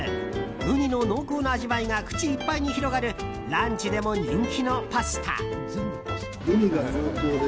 ウニの濃厚な味わいが口いっぱいに広がるランチでも人気のパスタ。